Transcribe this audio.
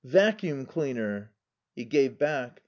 Vacuum cleaner. He gave back.